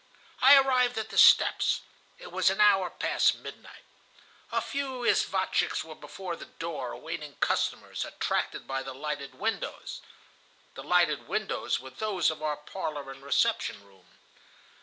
"I arrived at the steps. It was an hour past midnight. A few isvotchiks were before the door, awaiting customers, attracted by the lighted windows (the lighted windows were those of our parlor and reception room).